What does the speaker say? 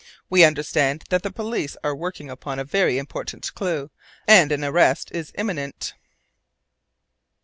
We understand that the police are working upon a very important clue, and an arrest is imminent."